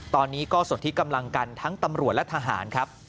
ตอนนี้ก็สนที่กำลังกันทั้งตำรวจและทหารครับ